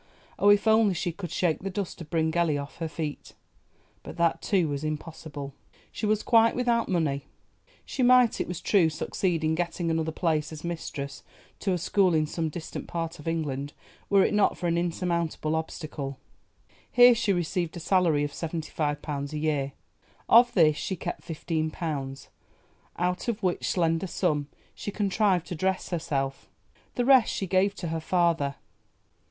Oh, if only she could shake the dust of Bryngelly off her feet! But that, too, was impossible. She was quite without money. She might, it was true, succeed in getting another place as mistress to a school in some distant part of England, were it not for an insurmountable obstacle. Here she received a salary of seventy five pounds a year; of this she kept fifteen pounds, out of which slender sum she contrived to dress herself; the rest she gave to her father.